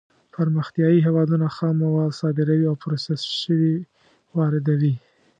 پرمختیايي هېوادونه خام مواد صادروي او پروسس شوي واردوي.